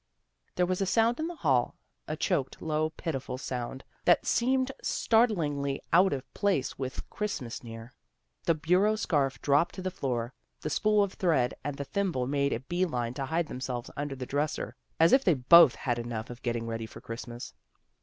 " There was a sound in the hall, a choked, low, pitiful sound that seemed startlingly out of place with Christmas near. The bureau scarf dropped to the floor. The spool of thread and the thimble made a bee line to hide themselves under the dresser, as if they both had enough of getting ready for Christmas.